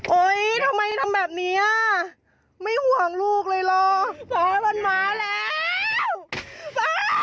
โอ้ยทำไมทำแบบนี้อ่ะไม่ห่วงลูกเลยหรอกมันมาแล้ว